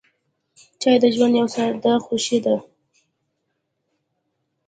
چای د ژوند یوه ساده خوښي ده.